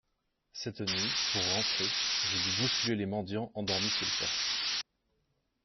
Cette nuit, pour rentrer, j’ai dû bousculer les mendiants endormis sous le porche.